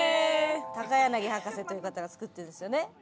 高柳博士という方が作ってるんですよね。